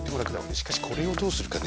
しかしこれをどうするかね。